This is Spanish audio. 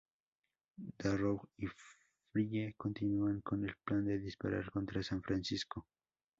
Darrow y Frye continúan con el plan de disparar contra San Francisco.